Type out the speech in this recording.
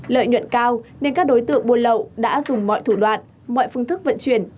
lợi nhuận cao nên các đối tượng buôn lậu đã dùng mọi thủ đoạn mọi phương thức vận chuyển